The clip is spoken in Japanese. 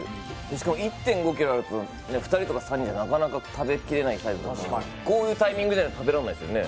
しかも１．５ｋｇだと２人とか３人じゃないとなかなか食べきれないサイズ、こういう機会でもないと食べられないですよね。